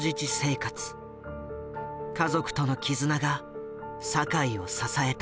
家族との絆が酒井を支えた。